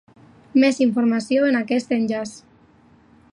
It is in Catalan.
Més informació en aquest enllaç.